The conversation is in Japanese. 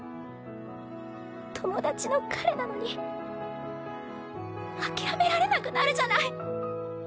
友達の彼なのに諦められなくなるじゃない。